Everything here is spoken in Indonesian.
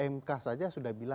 mk saja sudah bilang